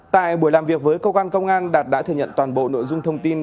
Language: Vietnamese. tại buổi làm việc với công an đạt đã thừa nhận toàn bộ nội dung thông tin